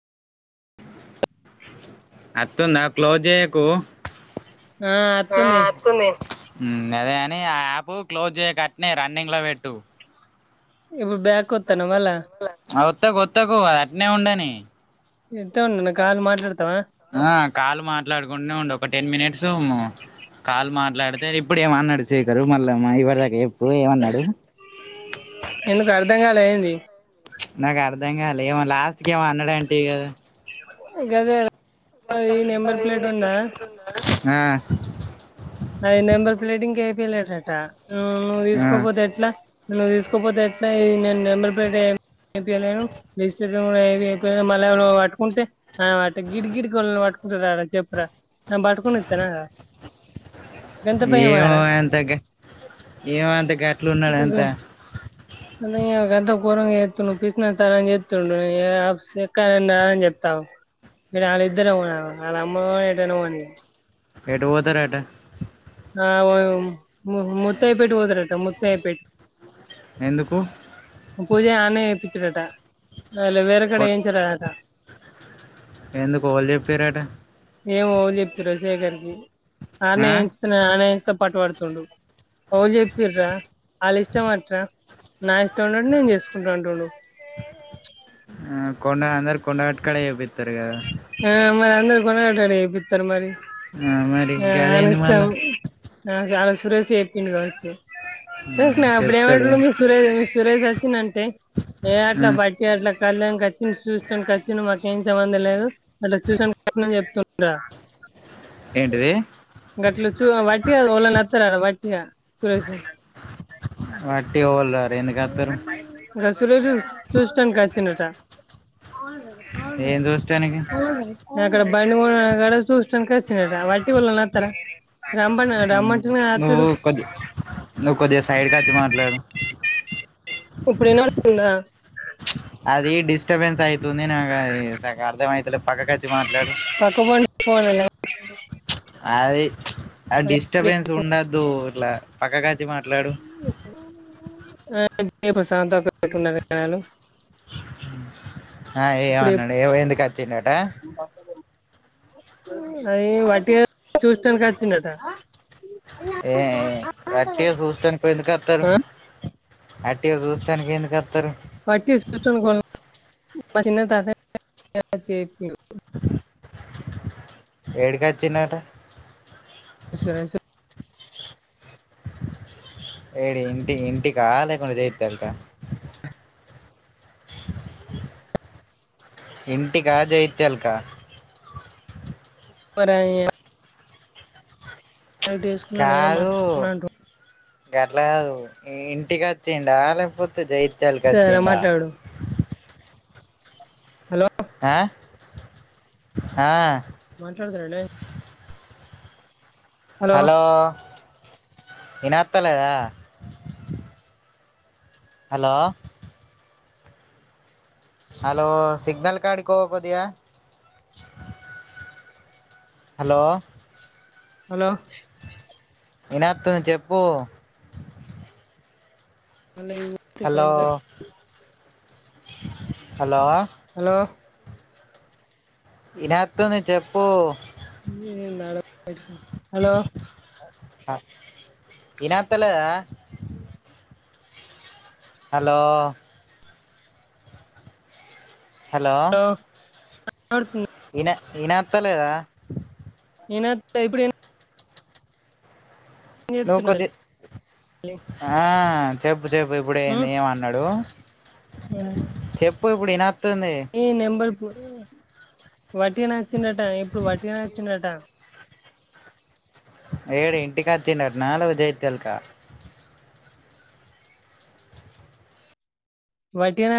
అతుంద close చేయకు ఆ అతుంది వస్తుంది ఉ అదే కాని ఆ యాప్ క్లోజ్ చేయ్యకు అట్నే రన్నింగ్ లో పెట్టు ఇప్పుడు బ్యాక్ వోత్తన మల్ల వత్తకుొత్తకు అట్నే ఉండని నేను ఉత్తగా ఉన్న కాల్ మాట్లాడతావా ఆ కాలు మాట్లాడుకుంటూనే ఉండి ఒక టెన్ మినిట్స్ కాల్ మాట్లాడితే ఇప్పుడు ఏమన్నాడు శేఖర్ మళ్ళ ఇవరిదాకా చెప్పు ఎప్పుడు ఏమన్నాడు ఎందుకు అర్ధం కాలేదా ఏంది నాకు అర్థం కాల ఏమో లాస్ట్ కి ఏమో అన్నాడంటివి కదా గదాదె నెంబర్ ప్లేట్ ఉందా ఆ అయి నెంబర్ ప్లేటింగ్ ఇంకా ఎపియలేదట నువ్వు ఆ తీసుకోపోతే ఎట్లా నువ్వు తీసుకోకపోతే ఎట్లా ఇ నేను నెంబర్ పెట్టటి ఏపీయలేను నను డిజిట ఏ అయిపోయా మళ్ళీ నువు పట్టుకుంటే ఆ వా గిడి గిడికిళ్ళని పట్టుకుంటార చెప్పురా పట్టుకొ ఇత్తానా ర ఏమో ఎంత గ ఏమో అంత గట్లు ఉన్నాడు అంత ని గంత గొరంగా చేస్తడు పిసినారి తనం చేస్తుండు ని ఆపీస్ లెక్క నువ్వు పిసినస్తారని చెస్తు ఎక్కని చెప్తా అగు ఇడ వాళ్ళ ఇద్దరువమ వాళ్ళ అమ్మని ఎటన్న పోనీ ఎటు పోతారంట ఆ మత్తైపేట రంట మత్తయపేట ఎందుకు పూజ అన్నే ఇప్పించుడట వాళ వేరేక్కడ ఏయించడట ఎందుకు ఓలు చెప్పిరట ఏమో ఎవలు జెపిర్రో సెకర్ కి అన్నే ఆ చె నాయిస్త పట్ పడుతుండు ఓలు చెప్పిర్రా వాళ్ళ ఇష్టంమట్రా నా ఇష్టం ఉన్నట్టు నేను చేసుకుంట అంటుండు ఆ కొండ అందరి కొండ గాట్ జెపితారు కదా ఆ మరి అందరుూ కొనటడిపిస్తారు మరి ఆ మరి ఆ అని గదేంది ఇష్టం మళ్ళా నా చాలా సురేసు చేపిండు కావచ్చు ఆ నా అప్పుడ చెప్తడు ఏమంట సురే సురేష్ వచ్చిడంటే ఏ ఆ అట్లా బట్ అట్లా కళ్ళని వచ్చి చూస్టానికి అచినం మాకేం సంబంధం లేదు అట్లా చూసన్ కస్తుందని చెప్తుార ఏంటిది గట్లు చు వాటిగా ఓళన నత్తర ర వాటిగా సురేష్ వట్టిగా ఒళరారు గా సురే గాని చస్న్ట నికి అంట న ఏం చూస్తానికి దగ్గర బండి కూడా చూసడానికి వచిలట వ అవలేన్న అతురా రమ రమ్మంటె కదా అచ్చుడు ననువ్వు కొద్దిగా సైడ్కి వచ్చి మాట్లాడు ఇప్పుడు ఇనావాడుతుందా అది డిస్టర్బెన్స్ ఐతుంది నాక ది సక్కగా అర్ధంఅయితలే పక్కకు అచ్చి మాట్లాడు పకు పండి పోనెలే అది ఆ డిస్టర్బెన్స్ ఉండద్దు ఇట్లా పక్క కాచ్చి మాట్లాడు ఇదే ప్రశాంతన్నారు ఆ ఏమనండు ఏ ఎందుకు వచ్చిండట ఎ వాటిగా చూసానికినికి వచ్చిండట ఏ వాటిగా చూస్తానికి ఎందుకు అస్తరు ఆ అటిగా చూస్తానికి ఎందుకు అస్తారు వటిగా చూతానికి ఎవలు అ మా చిన్న తత చే ఏడికి వచ్చిడట స సే సార్ ఏడి ఇంటి ఇంటి కా దేనికక్కా ఇంటిక జగితలక ప ర యి ఎవరైతే చేసుకున్నా నేనే కాదు మాట్లాడుకున్నా అంటు గట్ల కాదు మి ఇంటికి వచ్చిడా లేకపోతే జైత్యాలకి కదరా అచ్చిడా మాట్లాడు హలో అ ఆ మాట్లాడారనే హలో ఇనాత్ లేదా హలో హలో సిగ్నల్ కార్డికి పో కొద్దిగా హలో హలో ఇనత్తది చెప్పు మళ్ళ ఇవో హలో హలో హలో ఇనత్తంది చెప్పు [unintelligible] డ హలో ఇనాత్రలేదా హలో హలో ఒ [unintelligible] ఇన ఇనత్తలేదా ఇనత్తాంది ఇప్పుడు నువ్వు చెప్తున్నా కొద్ది ఆ చెప్పు చెప్పు ఇప్పుడ ఏంది ఏమన్నాడు చెప్పు ఇప్పుడు ఇనతుంది ఈ నెంబర్ కు వటిగానే వచ్చిండట ఇప్పుడు వటిగానే వచ్చిండట ఏడు ఇంటికి అచ్చిండటన లేకపోతే జగిత్యాలకు వాటిగానే